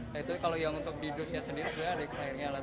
nah itu kalau yang untuk bidusnya sendiri sebenarnya ada kliennya lah